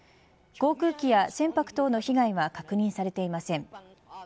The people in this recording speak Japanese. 航空機や船舶とうなどの被害は確認されていません。